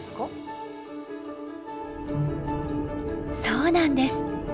そうなんです。